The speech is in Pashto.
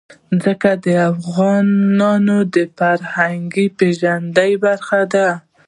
ځمکه د افغانانو د فرهنګي پیژندنې برخه ده.